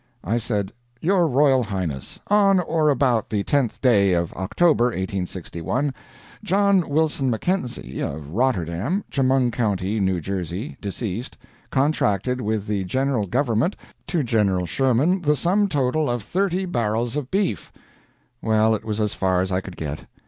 I said, "Your Royal Highness, on or about the 10th day of October, 1861, John Wilson Mackenzie of Rotterdam, Chemung County, New Jersey, deceased, contracted with the General Government to General Sherman the sum total of thirty barrels of beef " Well, it was as far as I could get.